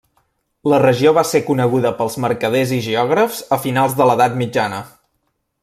La regió va ser coneguda pels mercaders i geògrafs a finals de l'edat mitjana.